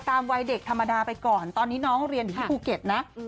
วัยเด็กธรรมดาไปก่อนตอนนี้น้องเรียนอยู่ที่ภูเก็ตนะ